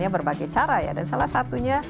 berbagai cara ya dan salah satunya